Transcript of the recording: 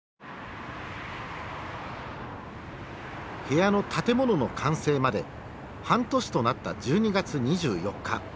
部屋の建物の完成まで半年となった１２月２４日。